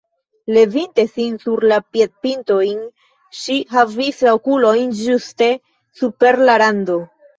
Levinte sin sur la piedpintojn, ŝi havis la okulojn ĝuste super la rando.